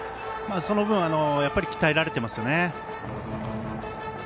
その分、鍛えられていますよね。